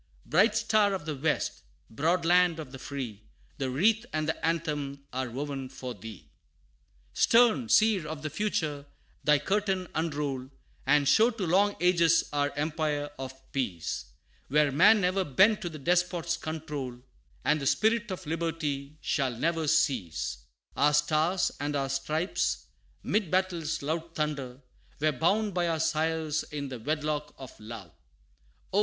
Bright Star of the West broad Land of the Free, The wreath and the anthem are woven for thee! IV. Stern Seer of the future, thy curtain unroll, And show to long ages our empire of peace Where man never bent to the despot's control, And the spirit of liberty never shall cease. Our Stars and our Stripes 'mid battle's loud thunder, Were bound by our sires in the wedlock of love Oh!